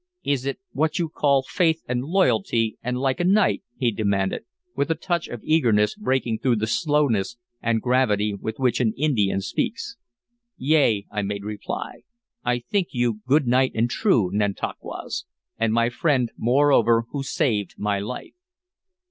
"Is it what you call faith and loyalty and like a knight?" he demanded, with a touch of eagerness breaking through the slowness and gravity with which an Indian speaks. "Yea," I made reply. "I think you good knight and true, Nantauquas, and my friend, moreover, who saved my life."